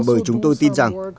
bởi chúng tôi tin rằng